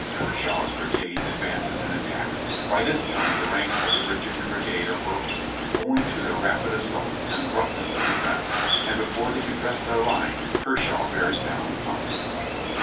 Kershaw's brigade advances and attacks. By this time the ranks of the Virginia Brigade are broken, owing to their rapid assault and the roughness of the ground, and before they can dress their line Kershaw bears down upon them.